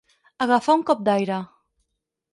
Agafar un cop d'aire.